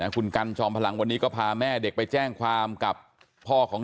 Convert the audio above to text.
คุณกันจอมพลังวันนี้ก็พาแม่เด็กไปแจ้งความกับพ่อของ